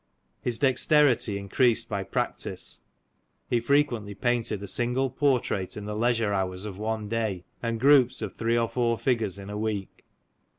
His dexterity increased by practice; he frequently painted a single portrait in the leisure hours of one day, and groups of three or four figures in a week.